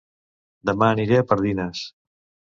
Dema aniré a Pardines